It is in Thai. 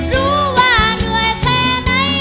รู้ว่าเหนื่อยแค่ไหน